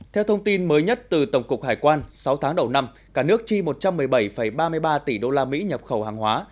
theo thông tin mới nhất từ tổng cục hải quan sáu tháng đầu năm cả nước chi một trăm một mươi bảy ba mươi ba tỷ usd nhập khẩu hàng hóa